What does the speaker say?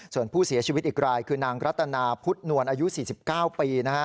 ส่วนผู้เสียชีวิตอีกรายคือนางรัตนาพุทธนวลอายุ๔๙ปีนะฮะ